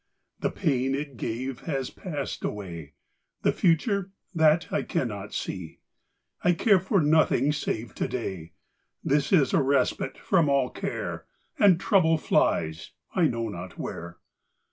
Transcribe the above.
The pain it gave has passed away. The future that I cannot see! I care for nothing save to day This is a respite from all care, And trouble flies I know not where.